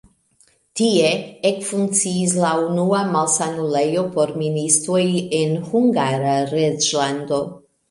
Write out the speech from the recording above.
Tie ekfunkciis la unua malsanulejo por ministoj en Hungara reĝlando.